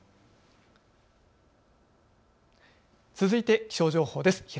続いて気象情報です。